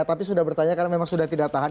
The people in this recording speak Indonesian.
tapi sudah bertanya karena memang sudah tidak tahan